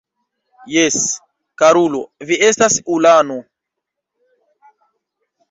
Jes, karulo, vi estas ulano.